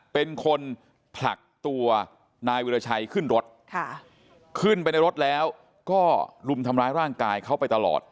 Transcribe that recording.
เป็นคนผลักตัวนายวิราชัยขึ้นรถขึ้นไปในรถแล้วก็รุมทำร้ายร่างกายเขาไปตลอด